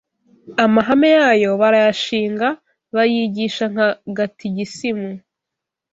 Amahame yayo barayashinga Bayigisha nka gatigisimu